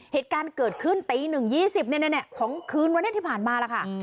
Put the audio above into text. เหตุการณ์เกิดขึ้นตี๑๒๐ของคืนวันนี้ที่ผ่านมาล่ะค่ะ